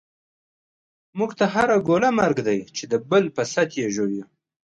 موږ ته هره ګوله مرګ دی، چی دبل په ست یی ژوویو